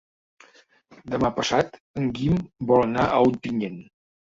Demà passat en Guim vol anar a Ontinyent.